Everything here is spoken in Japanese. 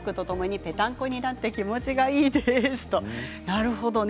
なるほどね。